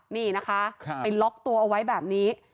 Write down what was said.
นี่นะคะไปล็อกตัวเอาไว้แบบนี้